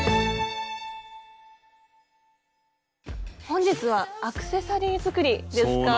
本日はアクセサリー作りですか？